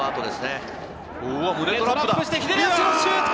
胸トラップして左足のシュート！